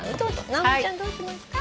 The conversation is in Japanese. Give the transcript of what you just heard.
直美ちゃんどうしますか？